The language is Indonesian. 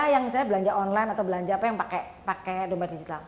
yang misalnya belanja online atau belanja apa yang pakai domba digital